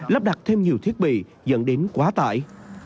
lắp đặt thêm nhiều thiết bị dẫn đến quá tải